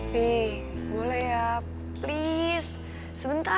pi boleh ya please sebentar aja oke